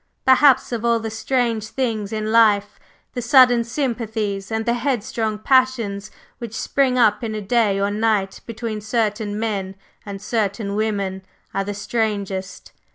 Perhaps of all the strange things in life, the sudden sympathies and the headstrong passions which spring up in a day or a night between certain men and certain women are the strangest.